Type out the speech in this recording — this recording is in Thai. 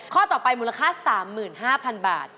ข้อต่อไปมูลค่า๓๕๐๐๐บาท